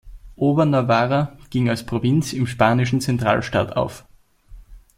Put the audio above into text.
Ober-Navarra ging als Provinz im spanischen Zentralstaat auf.